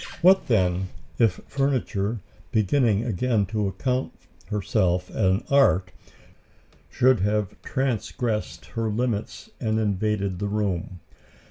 What wonder, then, if furniture, beginning again to account herself an art, should have transgressed her limits and invaded the room?